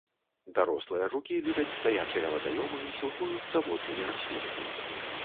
Дарослыя жукі любяць стаячыя вадаёмы і сілкуюцца воднымі раслінамі.